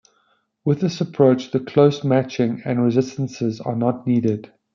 With this approach the close matching and resistances are not needed.